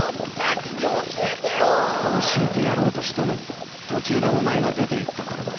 教えてやろうとしたのに途中でお前が出ていったからな。